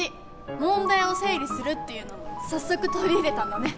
問題を整理するっていうのも早速取り入れたんだね。